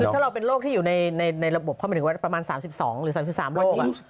ถ้าเราเป็นโรคที่อยู่ในระบบเขาหมายถึงว่าประมาณ๓๒หรือ๓๓โรค